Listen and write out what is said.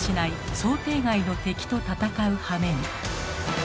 想定外の敵と闘うはめに。